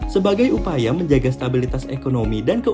sebagai upaya menjaga stabilitas ekonomi dan keuangan